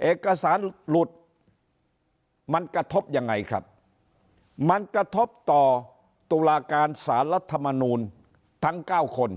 เอกสารหลุดมันกระทบยังไงครับมันกระทบต่อตุลาการสารรัฐมนูลทั้ง๙คน